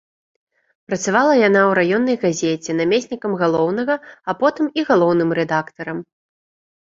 Працавала яна ў раённай газеце намеснікам галоўнага, а потым і галоўным рэдактарам.